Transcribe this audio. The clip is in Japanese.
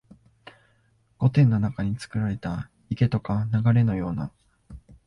御殿の中につくられた池とか流れのような、